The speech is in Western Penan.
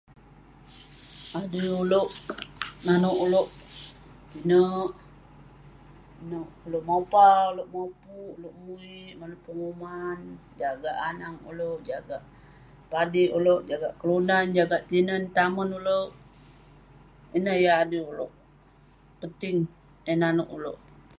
Adui ulouk nanouk ulouk pinek, inouk ulouk mopa, ulouk mopuk, ulouk muwik, manouk penguman, jagak anak ulouk, jagak padik ulouk, jagak kelunan, jagak tinen tamen ulouk. ineh yah adui ulouk, penting eh nanouk ulouk.